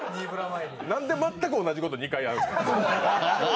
なんで全く同じこと２回やるんですか？